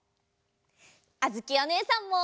あづきおねえさんも！